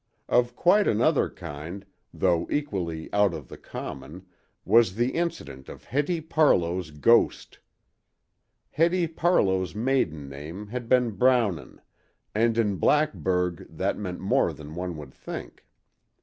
Of quite another kind, though equally "out of the common," was the incident of Hetty Parlow's ghost. Hetty Parlow's maiden name had been Brownon, and in Blackburg that meant more than one would think.